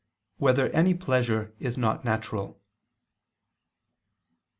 7] Whether Any Pleasure Is Not Natural?